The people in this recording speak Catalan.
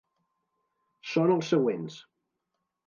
Són els següents.